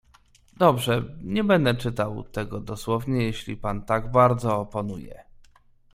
"Dobrze, nie będę czytał tego dosłownie, jeśli pan tak bardzo oponuje."